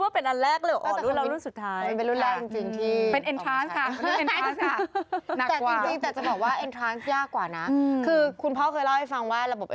เราไปอักษรเหมือนกันต้องการจะสื่ออะไรล่ะลูก